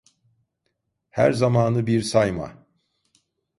Her zamanı bir sayma.